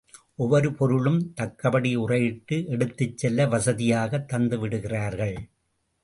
ஒவ்வொரு பொருளும் தக்கபடி உறையிட்டு எடுத்துச் செல்ல வசதியாகத் தந்துவிடுகிறார்கள்.